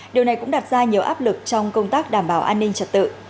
điều này cũng đặt ra nhiều áp lực trong công tác đảm bảo an ninh trật tự